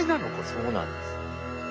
そうなんです。